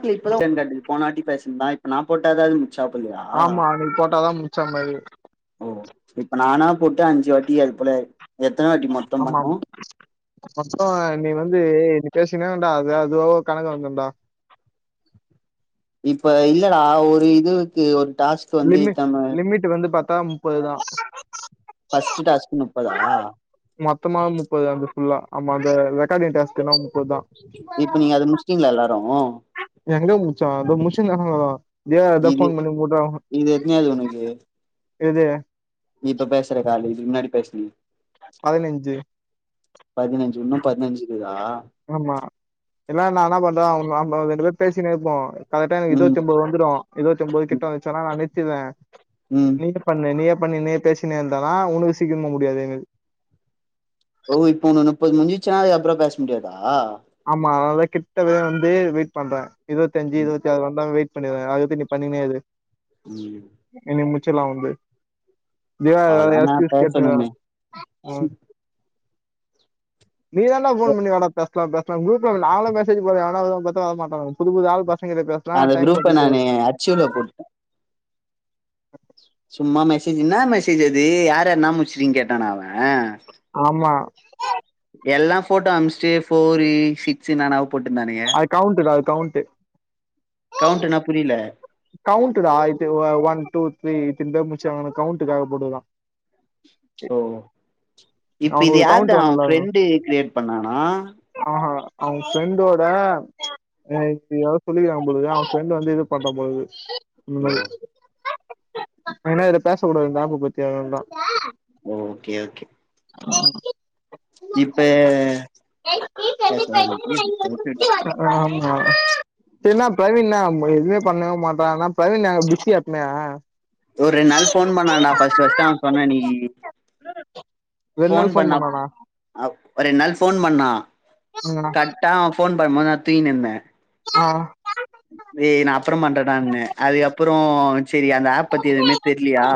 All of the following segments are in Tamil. இல்ல இப்பதா [unintelligible] த்தேர்ட்டி போனவாட்டி பேசுனதா இப்ப நா போட்டா எதாது சாப்பிள்ளையா ஆமா நீ போட்டாதா முட்ச்ச மாரி ஓ இப்ப நானா போட்டு அஞ்சு வாட்டி எழுப்புல ஆமாம் மொத்தோ இனி வந் து பேசுனினா டா அது அதுவா ஒரு கணக்கு வந்துருடா இப்ப இல்லடா ஒரு இதுவுக்கு ஒரு டாஸ்க் வந்து லிமிட் இத்தன லிமிட் வந்து பாத்தா முப்பதுதா ஃபர்ஸ்ட் டாஸ்க் முப்பதா மொத்தமாவே முப்பதுதா வந்திருக்கு ஃபுல்லா ஆமா அந்த ரெக்கார்டிங் டாஸ்க்கெல்லா முப்துதா இப்ப நீங்க அது முடுச்சிடீங்ளா எல்லாரு எங்க முடுச்சோ அது முடிச்சிருந்தாங்கோ ஏ எதோ இது ஃபோன் பண்ணி உங்கிட்டோ இது எத்தனையாது உனக்கு எது நீ இப்ப பேசர காலு இதுக்கு முன்னாடி பேசின ம் பதினஞ்சு பதினஞ்சு இன்னு பதினஞ்சு இக்குதா ஆமா என்ன நானா பண் தா அவுங்க நம்ப ரெண்டு பேரு பேசினே இருப்போ கரெக்ட்டா ம் இருவத்தி ஒம்பது வந்துரு இருவத்தி ஒம்பது கிட்ட ம் வஞ்ச்சுனா நானே நிறுத்ருவே ம் நீயே பண்ணு நீயே பண்ணினு பேசினே இருந்தனா உனக்கு சீக்கிரமா முடியாது எனது ஓ இப்ப நா முப்பது முடுஞ்ச்சுனா அதுக்கப்றோ பேச முடியாதா ஆமா அதனாலதா கிட்டவே வந்து வெயிட் பண்றே இருவத்தஞ்சு இருவத்தாறு வந்தா வெ யிட் பண்ணிருவே அதுவரைக்கு நீ பண்ணின்னே இரு ம் முச்சில்லா வந்து இங்க வேற யாரோ அவ்ளோதானா ஃபீஸ் கேட்ருகாங்க பேசணுமே ம் நீ தான்டா போன் பண்ணி வாடா பேசலா பேசலா குரூப்ல நாயெல்லா மெசேஜ் போடுவ எவனா வருவான் பாத்தா வரமாட்டானுங் புது புது ஆள் அந்த [unintelligible] டைம் குரூப்ப போட்டுருக்கு நானு அச்சீவ்ல போட்டே சும்மா மெசேஜ் என்ன மெசேஜ் அது யாரு யாருன்னா முடிச்சிருக்கிங்க கேட்டான அவன் ஆமா எல்லாம் போட்டோ அம்ஸ்டு ஃபோர்ரு சிக்ஸ் நானா போட்டுந்தானய்ய அது கவுண்ட்டுடா அது கவுண்ட்டு. கவுண்டுன்னா புரியல கவுண்டுடா இது ஒன் டூ த்ரீ இத்தின்தா முச்ச கவுண்ட்டுக்காக போட்ருகான் ஓ இப்ப அவனுக்கு இது ஒரு யாருடா கவுண்ட் அவன் வரணும்ல ஃப்ரெண்டு கிரியேட் பண்ணானா அவன் அவன் ஃப்ரெண்டோட இவன் இப்டிலாம் சொல்லிருக்குறான் போலருக்கு அவன் ஃப்ரெண்ட் வந்து இது பண்றா போலருக்கு ஓ ஏன்னா இதல பேச கூடாது ஜாப்பு பத்தி வேண்டாம் ம் ஓகே ஓகே [inaudible] [inaudible] இப்ப பேச சரின்னா பிரவீன்னா எதுவுமே பண்ணவே மாட்டான்னா பிரவீன்ன பிசி எப்மையா ஒரு ரெண்டு நாள் போன் பண்ணான்டா பஸ்ட் பஸ்ட் அவன் போன அன்னிக்கு ரெண்டு போன் நாள் ஃபோன் பண்ணா பண்ணானா அ ஒரு ரெண்டு நாள் போன் பண்ணான் ம் கக்டா அவன் போன் பண்ணும்போது நான் தூங்கினுந்தேன் ஆ ஏய் நான் அப்புறம் பண்றன்டான்ன அதுக்கப்புறம் சரி அந்த ஆப் பத்தி எதுவுமே தெரிலயா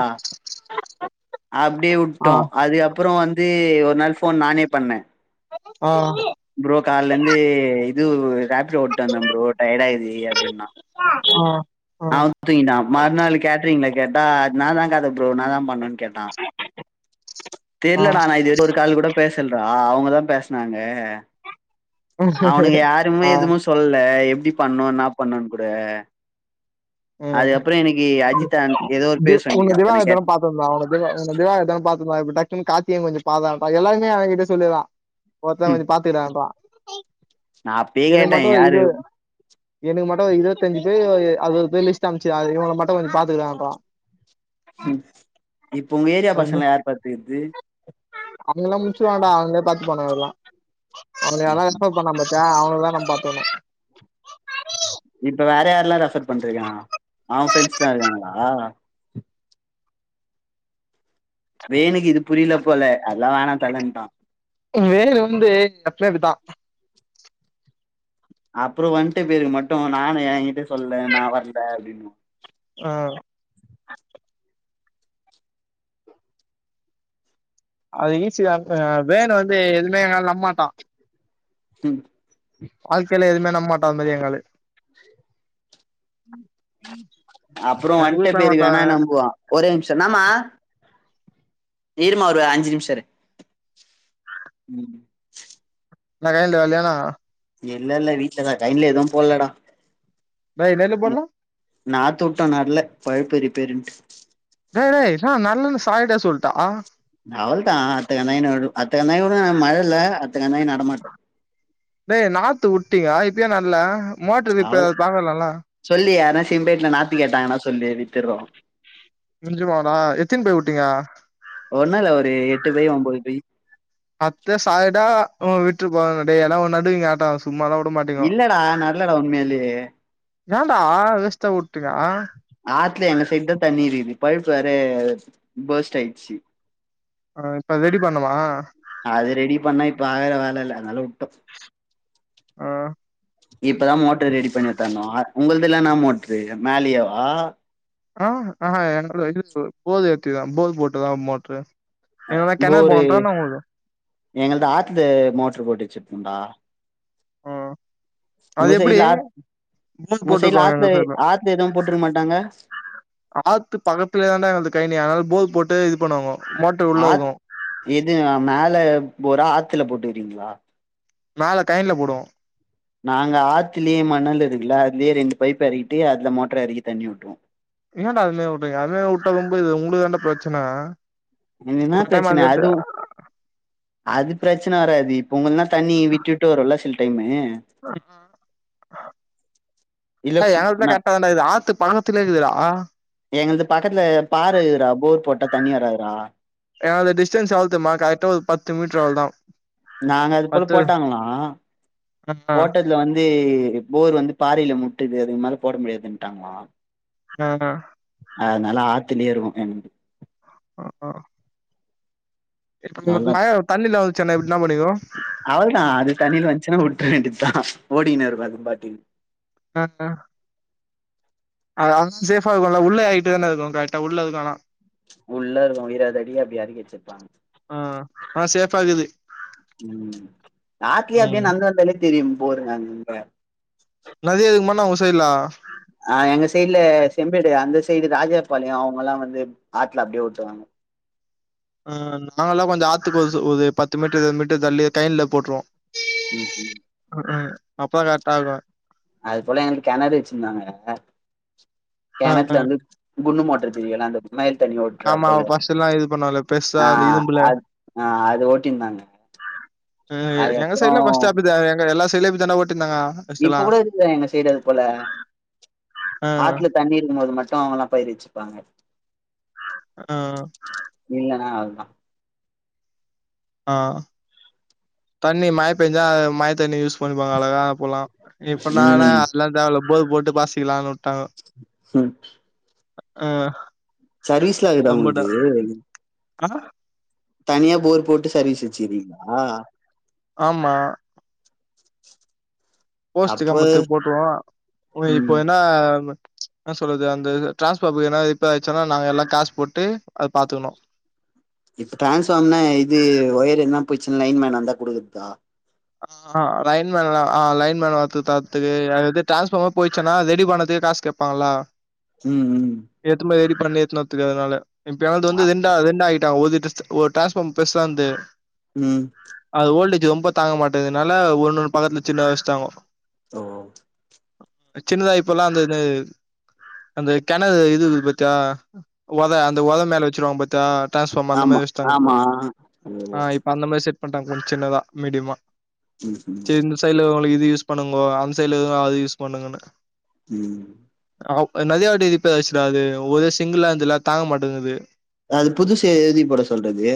அப்டியே உட்டோம் ஆ அதுக்கப்புறம் வந்து ஒரு நாள் போன் நானே பண்ணேன் ஆ ப்ரோ கால்ல இருந்து இது ரேப்ட ஓட்டுட்டு வந்தோம் ப்ரோ டயர்ட ஆயிது அப்டின்னா ஆ ஆ அப்டின்னா மறுநாள் கேட்டரிங்கள கேட்டா நான் தான்ங்கத ப்ரோ நான் தான் பண்ணணு கேட்டான் ஆ தெர்லடா நான் இதுவர ஒரு கால்கூட பேசல்லடா அவங்க தான் பேசுனாங்க க அவனுக்கு யாருமே ஆ எதுவும் சொல்ல எ டி பண்ணும் என்னா பண்ணும்னு கூட ம் அதுக்கப்புறோ எனக்கு அஜித் அண் ஏதோ [unintelligible] ஒரு பேர் சொன்னீங்க இவுங்க ஒருத்தன கேட் டக்கி காத்தினுங்கு அத எல்லாருமே அவன்கிட்ட சொல்லுவான் ம் ஒருத்த பாத்துக்குரேன்பா நா அப்பயே எனக்கு கேட்டே மட்டும் இது யாரு எனக்கு மட்டும் இருபத்தஞ்சு பேர் அறுபது பேர் லிஸ்ட் அனுபிச்சு இவங்கள மட்டும் கொஞ்சம் பாத்துக்கிடுங்கட்டுவான் ம் இப்ப உங்க ஏரியா பசங்கள யார் பாத்துக்குது இவங்கல்லாம் முடிச்சுவாண்டா அவங்களே பாத்து போனா வகல்லாம் அவன ரெபர் பண்ணாம் பாத்யா ஃபுல்லா நம்ம பாத்தணும் இப்ப வேற யாரல்லாம் ரெஃபர் பண்ட்டுக்கான் அவன் பிரெண்ஸ்ல்லாம் இருக்காங்களா வேனுக்கு இது புரியல போல அதெல்லாம் வேணா தலன்ட்டான் வேலு வந்து கட்லர்க்குதான் அப்புறம் வந்துட்டு பேருக்கு மட்டும் நானும் என்கிட்ட சொல்ல நான் வர்ல அப்டின்பான் ஓ அது ஈஸி தான் வேணு வந்து எதுவுமே எங்கள நம்மாட்டான் ம் வாழ்கையில எதுவுமே நம் மாட்டா அந்த மாரி எங்க ஆளு அப்புறம் எங்க வன்டு குரூப்ல ஒருத்தன் பேருக்கானா நம்புவான் ஒரே நிமிஷம் என்னாமா இருமா ஒரு அஞ்சு நிமிஷம் இரு ம் [unintelligible] இல்ல இல்ல வீட்லதான் வாய்ல எதுவும் போல்லடா டேய் நெல்லு போல்ல நா தூட்டம் வர்ல பைப்பு ரிப்பேருண்டு டேய் டேய் ஜான் நல்லான்னு சாயிட்டா சொல்லிட்டா அ அவ்ள்தா அடுத்தகணாயி நடு அடுத்தகணாயிகூட மழ இல்ல அடுத்தகணாயி நடமாட்டோ டேய் நாத்து வுட்டீங்க இப்பயே நல்லா மோட்டர் அவள் ரிப்பேரு அத பாக்காலில்ல சொல்லு யாருனா சிம்பேட்ல நாத்து கேட்டாங்கன்னா சொல்லு வித்துறோ நிஜமாடா எத்தினி போய் வுட்டீங்க ஒண்ணு இல்ல ஒரு எட்டு பை ஒம்போது பை அத்த சாய்டா அ விட்டுருப்பாங்க டேய் எனவொன்னு நடுங்க ஆட்டவச சும்மா எல்லா வுட மாட்டிங்கோ இல்லடா நல்லடா உண்மையாலே ஏன்டா வேஸ்ட்டா வுட்டீட்டங்க ஆத்துல எங்க சைட தா தண்ணீ இருக்குது பழுப்பு வேற பேர்ஸ்ட் ஆயிடுச்சு ஆ இப்ப ரெடி பண்ணுவா அது ரெடி பண்ணா இப்ப ஆகற வேல இல்ல அதனால வுட்டோ ஆ இப்பதா மோடரு ரெடி பண்ணி எடுத்தாந்தோ அ உங்களதுல்லா என்னா மோடரு மேலயாவா ஆ ஆஹ எனக்கெல்லா எங்கிருந்து வரு போது கேக்குதா போர் போட்டுதா மோட்ரு என்னனா கெணறு போனதானே ஓடு எங்களது ஆத்து மோட்டரு போட்டு வச்சிருக்கும்டா ஆ அது உங்க எப்டி ஸைடுல ஆத் போர் உங்க சைடுல போட்டுருப்பாங்க எங்க ஆத்துல சைட்ல ஆத்துல எதுவு போட்டிருக்க மாட்டாங்க ஆத்து பக்கத்துலேயே தாண்டா இருக்கு கழினி அதனால போர் போட்டு இது பண்ணுவாங்கோ மோட்ரு உள்ள ஆத் இருக்கு எது மேல போரா ஆத்துல போட்டுக்கறீங்களா மேல கயன்ல போடுவோ நாங்க ஆத்தலேயே மணல் இருக்குல அதுலயே ரெண்டு பைப் ஏறக்கிட்டு அதுல மோட்டர எறக்கி தண்ணி ஓட்டுவோ ஏன்டா அதுலே வுட்றீங்க அதுலே வுட்ட ரொம்ப இது உங்களுக்கு தான்டா பிரச்சன என்கென்னா ஒரு டைம் பிரச்சனை அந்த எடத்து அதுவு அது பிரச்சனை வராது இப்ப உங்கல்லா தண்ணி விட்டு விட்டு வரும்ல சில டைம்மு அ இல்ல டேய் ஃபு எங்க வீட்டுல ந கரெக்டாதண்டா இருக்கு ஆத்து பாலத்துல இருக்குதுடா எங்களது பக்கத்துல பாரு இருகுறா போர் போட்டா தண்ணி வராதுடா எங்களது டிஸ்டன்ஸ் எவ்வளத் தெரியுமா கரக்டா ஒரு பத்து மீட்டர் அவ்ளதா நானூறுகுள்ள போட்டாங்களா ஆ ஆ போட்டத்துல வந்து போர் வந்து பாறையில முட்டுது அதுக்கு மேல போட முடியாதுட்டாங்கோ ஆ அதுனாலா ஆத்துலேயே இருக்கு என அஹ அவ்ளதா அத் தண்ணில வந்துச்சுன்னா எப்டினா பண்ணுவீங்கோ அவ்ளதா அது தண்ணியில வந்ச்சுன்னா வுட் ட்டற வேண்டி தா ஓடிகினு இருக்கு அது பாட்டுகு அஹ அ அது சேஃபா இருக்குல்ல உள்ள ஏறிட்டு தானே இருக்கு கரெக்டா உள்ள இருக்கு ஆனா உள்ள இருக்கு விரதடிய அப்டி அடக்கி வச்சிருப்பாங்க ப்பகுது ம் ஆத்துலயே அப்டியே ம் நடந்து வந்தலே தெரியும் போருங்க அங்கங்க நதி அதுக்குமுன்ன ஒசைல்லா ஆ எங்க சைடுல செம்பேடு அந்த சைடு ராஜாபாளையோ அவுங்க எல்லா வந்து ஆத்துல அப்டியே ஒட்டுவாங்க ஆ நாங்க எல்லா கொஞ்சோ ஆத்துக்கு ஒரு ஒரு பத்து மீட்டர் இருபது மீட்டர் தள்ளி கையின்ல போட்ருவோ ம்ஹூம் ம் அப்புற கரெக்டா இருக்கு அது போல எனக்கு கெணறு வச்சிருந்தாங்க கெணத்துல வந்து குன்னு மோட்டர் தெரியுல அந்த மயில் தண்ணி ஓட்டுறா ஆமா போல ஃபர்ஸ்ட்லா இது பண்ணுவோல்ல பெருசா ஆ அந்த இரும்புல அது ஆ அது ஓட் டிந்தாங்க ம் எங்க சைடுல ஃபஸ்ட் அப்டிதே எங்க எல்லா சைடுலயு அப்டிதான்டா ஓ இப்ப கூட இருக்துடா எங்க சைடு அது போல அ, ஆத்துல தண்ணி இருக்கும் போது மட் டு மொளப்பாரி வச்சுப்பாங்க அ, இல்லனா அவு தா ஆ தண்ணி மய பெஞ்சா மய தண்ணிய யூஸ் பண்ணிப்பாங்க அழகா அப்போலா இப்ப ன்னான ம் அதெல்லா தேவல்ல போ போட்டு பாசிக்கலான் வுட்டாங்கோ ம் ஆ சர்வீஸ்லா இர்க்குதா உன்க்கு ஆ தனியா போர் போட்டு சர்வீஸ் வச்சுர்கிங்ளா ஆமா போஸ்ட் அப்ப கம்பத்துக்கு போட்ருவோ னா இப்போ ம் எனா என்னா சொல்றது அந்த ட்ரான்ஸ்ஃபார்மர் எதா ரிப்பேர் ஆயிச்னா நாங்க எல்லா காசு போட்டு அத பாத்துக்கணு இப்ப டிரான்ஸ்ஃபார்ம்னா இது ஒயர் என்னா போய்ச்சுனா லைன்மேன் வந்தா குடுக்கதுக்கா ஆ ஆ லைன்மேன ஆ லைன்மேன் வரதுக் தரதுக்கு எது டிரான்ஸ்ஃபாமரே போயிச்சுனா ரெடி பண்ணதுக்கு காசு கேப்பாங்ளா ம் ம் பண்ணித்னா தெரியாதனால எப்பயாது வந்து ஆ இதென்ன ரெண்டு ஆகிட்டா ஒரு டிரஸ் டிரான்ஸ்ஃபார்மர் பெர்சார்ந்து ம் இது ரொம்ப தாங்க மாட்டேதுனால ஒன்னொண்ணு பக்கத்துல சின்னது வச்ட்டாங்கோ ஆ சின்னதா இப்பலா அந்திது அந்த கெணறு இது இக்கு பாத்யா ஒத அந்த ஒத மேல வச்ருவாங் பாத்யா டிரான்ஸ்ஃபார்ம் அந்த ஆமா மாரி வெச்ட்டாங்க இப்போ ஆமா ஓ இப்ப அந்த மாரி செட் பண்ட்டாங்க கொஞ்ச சின்னதா மீடியமா ம் ம் சரி இந்த சைடுல ஒளகிது இது யூஸ் பண்ணுங்கோ அந்சைடுல எத அது யூஸ் பண்ணுங்கனு ம் ஆ நறைய வாட்டி ரிப்பேர் ஆயிச்சுடா ஆது ஒரே சிங்கிலா இருக்துல்ல தாங்க மாட்டங்குது அது புதுசு எழுதி போட சொல்றது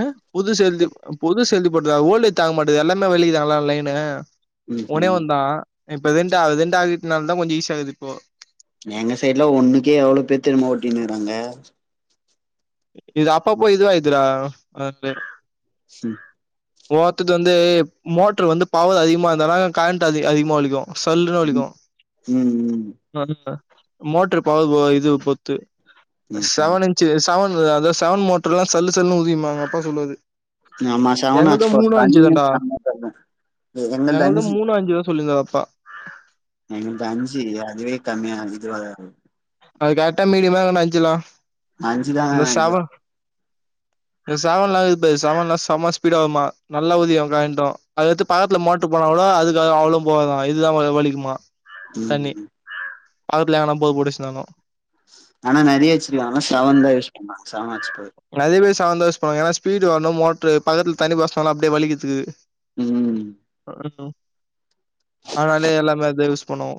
அ புதுசெழுதி புதுசெழுதி போட்டதா ஓல்டே தாங்க மாட்டங்து எல்லாமே வெளியதானா லைனு ம் ஒன்னே ம் ஒன்தா இப்ப ரெண்டா ரெண்டாக்கிட்னாலதா கொஞ்ச ஈசியா இக்குது இப்போ எங்க சைடுல ஒண்ணுக்கே எவ்ள பேர் தெரிமா ஓட்டினுருக்றாங்க இது அப்ப அப்ப இதுவாயிடுதுடா அதென்து ச ஒவ்வத்தது வந்து மோட்ரு வந்து பவர் அதிகமா இருந்தால கர கரண்ட் அதிகமா வலிக்கு சல்லுனு வலிக்கு ம் ம் அதில்ல மோட்ரு பவர் இது பொர்த்து ம் ம் ம் செவன் இன்ச்சு செவன் அதா செவன் மோட்ரெலா சல்லு சல்லுன் உறியுமா எங்கப்பா சொல்லுவாரு ஆமா செவன் எங்கள்து ஹார்ஸ் பவர் மூணு தண்ணியும் அஞ்சுதாண்டா செம தண்ணி. எங்கள்து மூணு அஞ்சு சொல்லிகாரு அப்பா கமியாகுது அதல் அது கரெக்டா மீடியமா இல்ல அஞ்சுலா நா அஞ்சுதான இந்த நெனைக்கோ செவன் செவன்லா இக்குது செவன்லா செம ஸ்பீடாவுமா நல்லா உதியு கரண்ட்டு அதெடுத்து பக்கத்துல மோட்ரு போனா கூட அதுக்கு அவ்ளோ போகாதா இதுதா வ வலிக்குமா ம் பக்கத்ல எங்னா போர் போட்டு வச்ருந்தாலு ஆனா நறையா வச்சுக்லா ஆனா செவன்தா யூஸ் பண்ணா செவன் வாட்ஸ் நறைய பேர் செவன்தா யூஸ் பண்வாங் ஏனா ஸ்பீடு வர்ணு மோட்ரு பக்கத்துல தண்ணி பாச்னாங்னா அப்டியே வலிக்றதுக்கு ம் ஆ ஹ ஆனாலே எல்லாமே அதே யூஸ் பண்ணுவோ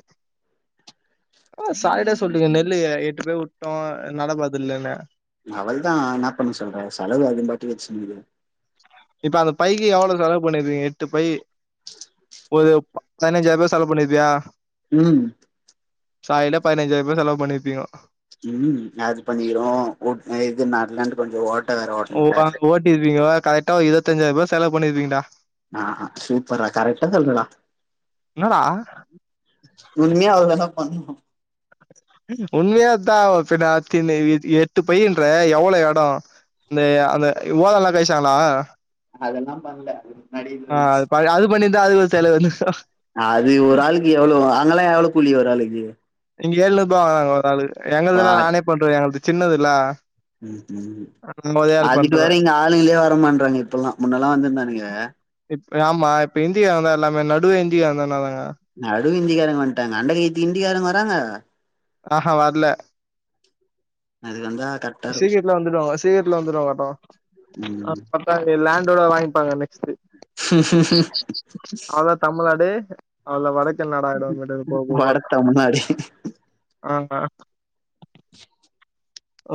சாரிடா சொல்டீங்க நெல்ல எட்டு பேர் விட்டோ நட பாதல்லன்னு அவள் தா என்னா பண்ண சொல்ற செலவு அதுபாட்டு வச்சுன்கிது இப்ப அந்த பைக்கு எவ்ளோ செலவு பண்ணிருக்கீங்க எட்டு பை ஒரு பதினைஞ்சாயிரூபா செலவு பண்ணிருப்பியா ம் சாலிட்டா பதினஞ்சாயிர ரூபா செலவு பண்ணிருப்பியோ ம் அது பண்ணிடும் ஓட்டு இதுநால்லு கொஞ்ச ஓட் ஓ அங்க ஓட்டிருப்பீங்க கரெக்டா ஒரு இருபத்தஞ்சாயிர ரூபா செலவு பண்ணிருப்பீங்கடா ஆஹ் சூப்பரா கரக்ட் ஆ சொல்றடா என்னடா உண்மையா அவரு எல்லா பண்ணணு உண்மையா தா பின்ன அத்துன்ன எட்டு பையின்ற எவ்ளோ எடம் அந்த அந்த ஓலல்லா கழிச்சாங்களா அதெல்லா பண்ல அதுக்கு முன்னாடியே ஆ இருந்துச்சு அது ப- அது பண்ணிருந்தா அது ஒரு செலவு வந்துரு அது ஒரு ஆளுக்கு எவ்ளோ அங்கல்லா எவ்ளோ கூலி ஒரு ஆளுக்கு இங்க ஏழ்நூபா ஒரு ஆளுக்கு வா எங்கதுல்லா நானே பண்றே எங்கது சின்னதுல்ல நா ஒரே [inaudible] ஆள் அதுக்கு பண்ருவே வேற இங்க ஆளுகிலே வரமாட்றாங்க இப்பல்லா முன்னல்லா வந்திருந்தானுங்க ஆமா இப்ப இந்திகார தா எல்லாமே நடு இந்திகார இருந்தாங்க நடுவு இந்திக்காரங்க வந்டாங்க அண்டகை இந்திக்காரங்க வராங்க ஆஹ வர்ல அதுக்கு வந்தா கரெக்டா இருக்கு சீகத்துல வந்துடுவாங்க சீகத்துல வந்துடுவாங்க ம் கும் பத்தாது லேண்டோட வாங்கிப்பாங்க நெக்ஸ்ட் அவ்ளதா தமிழ்நாடு அவ்வள வடக்கன் நாடு ஆயிடும் இங்கிட்டு போக போக வட பாத்தா தமிழ்நாடு ஆ ஆ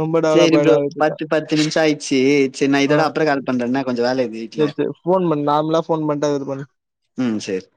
ரொம்ப டெவலப் சரி ஆயிடு ப்ரோ அதுக்கிட்ட பத்து பத்து நிமிஷ ஆயிச்சு செர்னா இதோட அப்புற கால் பண்றே என்ன கொஞ்ச வேலைையுது வீட்ல போன் பண் நார்மலா போன் பண்டு இது பண்ணு ம் சேரி